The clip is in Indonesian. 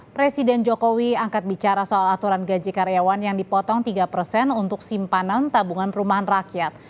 presiden jokowi angkat bicara soal aturan gaji karyawan yang dipotong tiga persen untuk simpanan tabungan perumahan rakyat